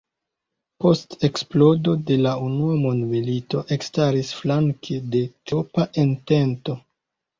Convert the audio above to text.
Post eksplodo de la unua mondmilito ekstaris flanke de Triopa Entento.